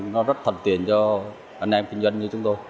nó rất thành tiền cho anh em kinh doanh như chúng tôi